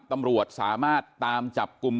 ตำรวจสามารถตามจับกลุ่ม